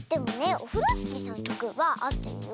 オフロスキーさんのきょくはあってるよ。